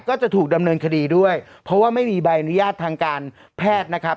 ก็จะถูกดำเนินคดีด้วยเพราะว่าไม่มีใบอนุญาตทางการแพทย์นะครับ